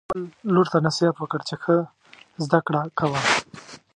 هغې خپل لور ته نصیحت وکړ چې ښه زده کړه کوه